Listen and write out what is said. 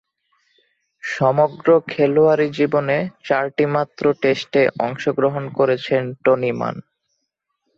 সমগ্র খেলোয়াড়ী জীবনে চারটিমাত্র টেস্টে অংশগ্রহণ করেছেন টনি মান।